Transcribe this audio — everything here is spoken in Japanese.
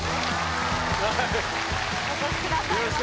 お越しくださいました。